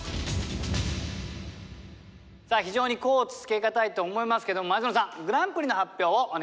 さあ非常に甲乙つけがたいと思いますけど前園さんグランプリの発表をお願いいたします。